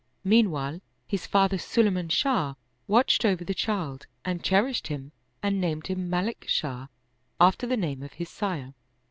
Meanwhile, his father Sulayman Shah watched over the child and cherished him and named him Malik Shah, after the name of his sire.